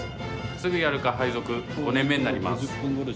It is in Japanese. すぐやる課配属５年目になります。